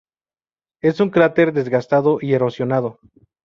Es un cráter desgastado y erosionado.